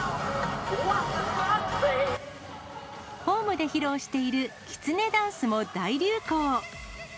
ホームで披露しているきつねダンスも大流行。